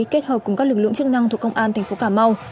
kết hợp cùng các lực lượng chức năng thuộc công an tp cà mau